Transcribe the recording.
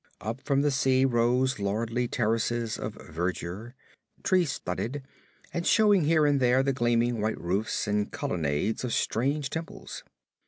Up from the sea rose lordly terraces of verdure, tree studded, and shewing here and there the gleaming white roofs and colonnades of strange temples.